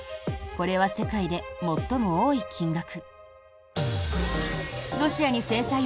これは世界で最も多い金額。